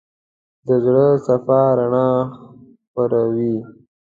د زړه صفا رڼا خپروي.